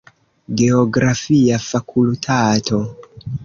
Geografia fakultato.